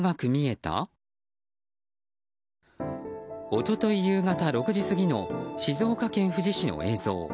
一昨日夕方６時過ぎの静岡県富士市の映像。